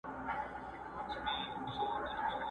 o کښتۍ په نيت چلېږي!